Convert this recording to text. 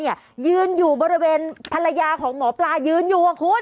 ยืนอยู่บริเวณภรรยาของหมอปลายืนอยู่คุณ